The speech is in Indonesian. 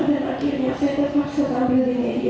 dan akhirnya saya terpaksa tampil di media